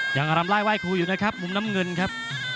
อารำไล่ไห้ครูอยู่นะครับมุมน้ำเงินครับ